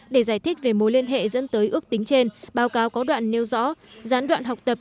để giải thích về mối liên hệ dẫn tới ước tính trên báo cáo có đoạn nêu rõ gián đoạn học tập